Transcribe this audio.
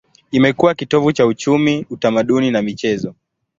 Imekuwa kitovu cha uchumi, utamaduni na michezo.